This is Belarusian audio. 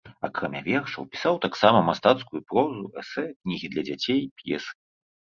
Акрамя вершаў, пісаў таксама мастацкую прозу, эсэ, кнігі для дзяцей, п'есы.